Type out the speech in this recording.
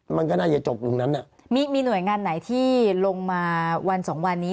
มันก็น่าจะจบตรงนั้นอ่ะมีมีหน่วยงานไหนที่ลงมาวันสองวันนี้